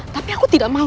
tapi aku tidak mau